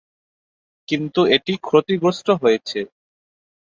কিন্তু এটি ক্ষতিগ্রস্ত হয়েছে।